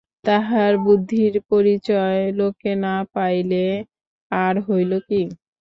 তাহার বুদ্ধির পরিচয় লোকে না পাইলে আর হইল কী।